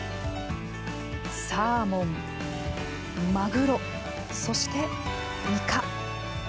サーモン、マグロ、そしてイカ。